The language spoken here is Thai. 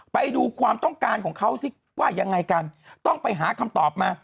ไปดูความต้องการของเขาสิว่ายังไงกันต้องไปหาคำตอบมา